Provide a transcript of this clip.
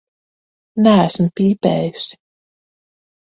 Neesmu pīpējusi.